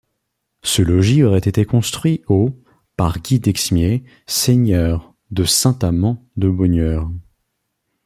Ce logis aurait été construit au par Guy Dexmier seigneur de Saint-Amant-de-Bonnieure.